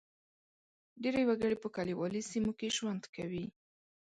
ډېری وګړي په کلیوالي سیمو کې ژوند کوي.